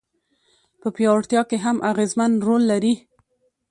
په پياوړتيا کي هم اغېزمن رول لري.